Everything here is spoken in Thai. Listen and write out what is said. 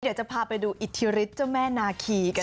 เดี๋ยวจะพาไปดูอิทธิฤทธิ์เจ้าแม่นาคีกัน